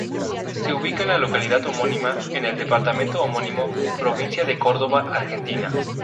Se ubica en la localidad homónima, en el departamento homónimo, Provincia de Córdoba, Argentina.